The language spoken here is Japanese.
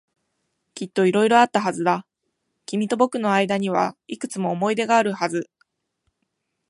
きっと色々あったはずだ。君と僕の間にはいくつも思い出があるはず。